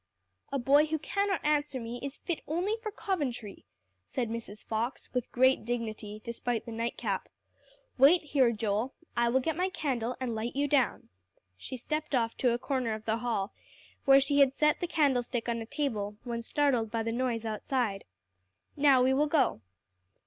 "A boy who cannot answer me, is fit only for Coventry," said Mrs. Fox with great dignity, despite the nightcap. "Wait here, Joel. I will get my candle, and light you down." She stepped off to a corner of the hall, where she had set the candlestick on a table, when startled by the noise outside. "Now we will go."